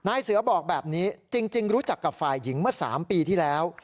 เสือบอกแบบนี้จริงรู้จักกับฝ่ายหญิงเมื่อ๓ปีที่แล้ว